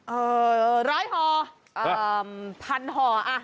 เออร้อยห่อแพนห่ออะ